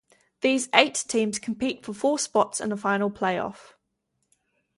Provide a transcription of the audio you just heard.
These eight teams compete for four spots in a final playoff.